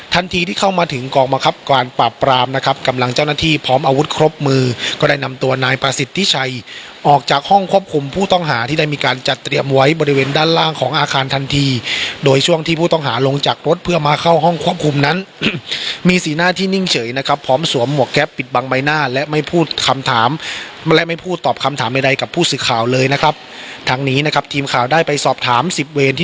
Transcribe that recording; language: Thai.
ทันทีที่เข้ามาถึงกองบังคับการปราบปรามนะครับกำลังเจ้าหน้าที่พร้อมอาวุธครบมือก็ได้นำตัวนายประสิทธิชัยออกจากห้องควบคุมผู้ต้องหาที่ได้มีการจัดเตรียมไว้บริเวณด้านล่างของอาคารทันทีโดยช่วงที่ผู้ต้องหาลงจากรถเพื่อมาเข้าห้องควบคุมนั้นมีสีหน้าที่นิ่งเฉยนะครับพร้อมส